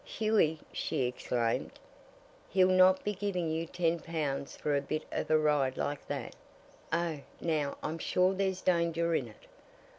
"Hughie!" she exclaimed. "He'll not be giving you ten pounds for a bit of a ride like that! Oh, now I'm sure there's danger in it!